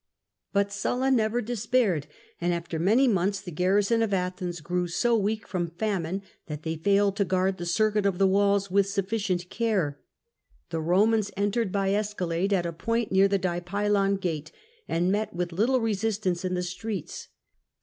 But Sulla never de spaired, and after many months the garrison of Athens grew so weak from famine that they failed to guard the circuit of the walls with sufficient care. The Romans entered by escalade at a point near the Dipylon gate, and met with little resistance in the streets.